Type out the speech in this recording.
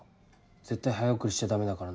絶対早送りしちゃダメだからな。